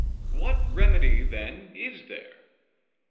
What remedy, then, is there?